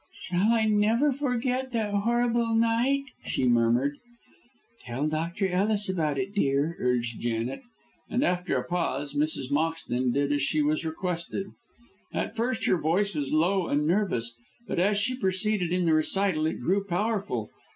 "Shall I ever forget that horrible night?" she murmured. "Tell Dr. Ellis about it, dear," urged Janet, and after a pause Mrs. Moxton did as she was requested. At first her voice was low and nervous, but as she proceeded in the recital it grew powerful.